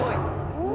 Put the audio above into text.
うわ！